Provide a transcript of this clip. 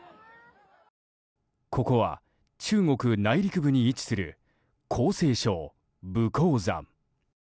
ここは中国内陸部に位置する江西省武功山。